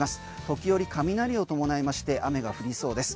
時折、雷を伴いまして雨が降りそうです。